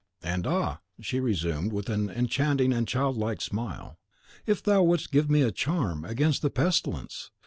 "And ah!" she resumed, with an enchanting and child like smile, "if thou wouldst give me a charm against the pestilence!